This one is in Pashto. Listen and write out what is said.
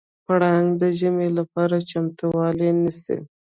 پړانګ د ژمي لپاره چمتووالی نیسي.